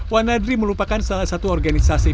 wanadri merupakan salah satu organisasi